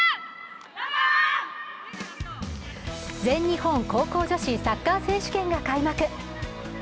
全日本高校女子サッカー選手権が開幕。